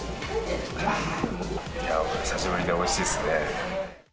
久しぶりでおいしいですね。